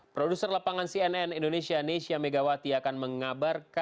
produser lepangan cnn indonesia nesya megawati akan menggabar